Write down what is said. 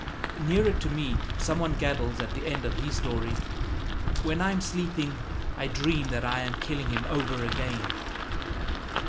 Nearer to me some one gabbles at the end of his story, "When I'm sleeping I dream that I'm killing him over again!"